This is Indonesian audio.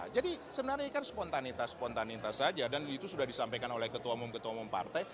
jadi sebenarnya kan spontanitas spontanitas saja dan itu sudah disampaikan oleh ketua umum ketua umum partai